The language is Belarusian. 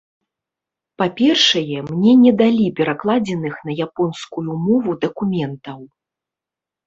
Па-першае, мне не далі перакладзеных на японскую мову дакументаў.